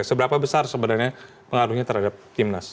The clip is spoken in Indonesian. seberapa besar sebenarnya pengaruhnya terhadap timnas